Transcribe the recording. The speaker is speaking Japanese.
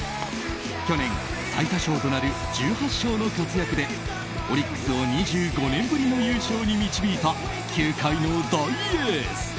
去年、最多勝となる１８勝の活躍でオリックスを２５年ぶりの優勝に導いた球界の大エース。